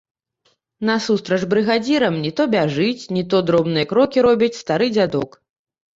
Насустрач брыгадзірам не то бяжыць, не то дробныя крокі робіць стары дзядок.